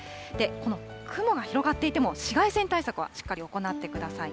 この雲が広がっていても、紫外線対策はしっかり行ってください。